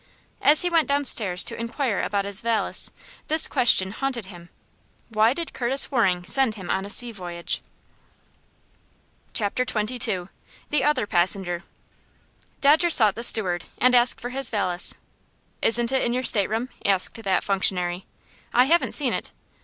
As he went downstairs to inquire about his valise, this question haunted him: "Why did Curtis Waring send him on a sea voyage?" Chapter XXII. The Other Passenger. Dodger sought the steward, and asked for his valise. "Isn't it in your stateroom?" asked that functionary. "I haven't seen it."